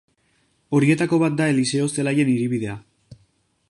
Horietako bat da Eliseo Zelaien hiribidea.